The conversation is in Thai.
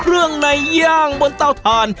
เครื่องในย่างบนเตาถ่าน